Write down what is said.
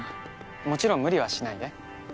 もちろん無理はしないで。